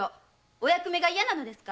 お役目が嫌なのですか